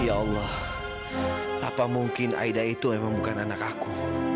ya allah apa mungkin aida itu memang bukan anakku